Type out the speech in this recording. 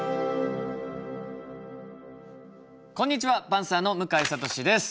こんにちはパンサーの向井慧です。